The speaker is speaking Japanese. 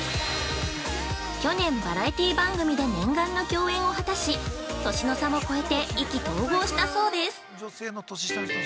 去年、バラエティ番組で念願の共演を果たし、年の差も超えて意気投合したそうです。